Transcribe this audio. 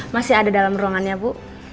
masih ada dalam ruangannya bu